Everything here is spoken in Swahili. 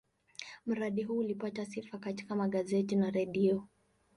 Mradi huu ulipata sifa katika magazeti na redio.